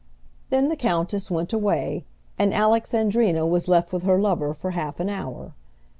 Then the countess went away, and Alexandrina was left with her lover for half an hour.